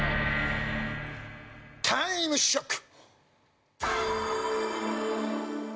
タイムショック！